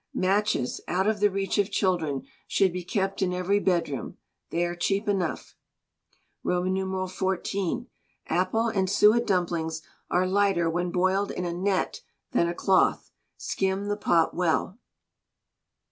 Matches, out of the reach of children, should be kept in every bedroom. They are cheap enough. xiv. Apple and suet dumplings are lighter when boiled in a net than a cloth. Skim the pot well.